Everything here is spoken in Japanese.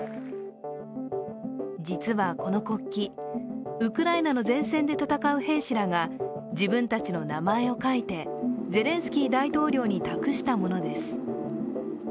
実はこの国旗ウクライナの前線で戦う兵士らが自分たちの名前を書いてゼレンスキー大統領に託したものです。